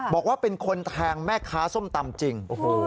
บอกว่าเป็นคนแทงแม่ค้าส้มตำจริง